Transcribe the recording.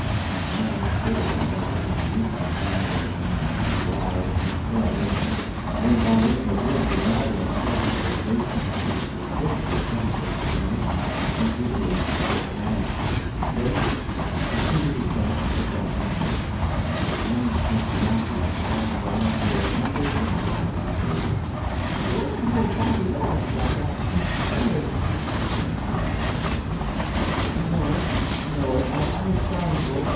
Roxana stood awhile looking mutely down on him while he writhed in shame and went on incoherently babbling self accusations mixed with pitiful attempts at explanation and palliation of his crime; then she seated herself and took off her hat, and her unkept masses of long brown hair tumbled down about her shoulders. "It ain't no fault o' yo'n dat dat ain't gray," she said sadly, noticing the hair. "I know it, I know it! I'm a scoundrel.